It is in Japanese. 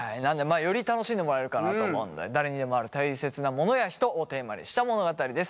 より楽しんでもらえるかなと思うので誰にでもあるたいせつなものや人をテーマにした物語です。